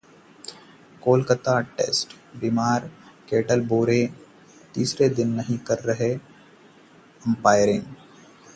Kolkata test: बीमार Kettleborough तीसरे दिन नहीं कर रहे अंपायरिंग